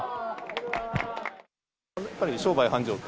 やっぱりね、商売繁盛と。